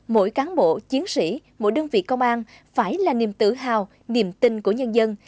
mỗi cán bộ chiến sĩ mỗi đơn vị công an phải là niềm tự hào niềm tin của nhân dân